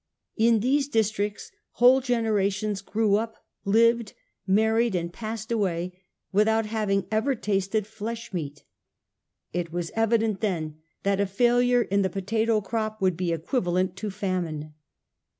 In these districts whole generations grew up, lived, married, and passed away, without having ever tasted flesh meat. It was evident then that a failure in the potato crop would be equivalent to famine.